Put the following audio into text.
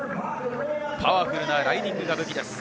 パワフルなライディングが武器です。